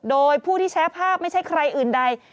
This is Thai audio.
โดยผู้ที่แชร์ภาพไม่ใช่ใครอื่นใด